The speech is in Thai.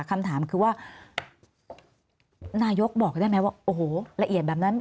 คำถามคือว่านายกบอกได้ไหมว่าโอ้โหละเอียดแบบนั้น